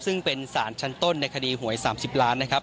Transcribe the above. ซึ่งเป็นสารชั้นต้นในคดีหวย๓๐ล้านนะครับ